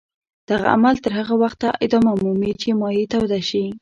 دغه عمل تر هغه وخته ادامه مومي چې مایع توده شي.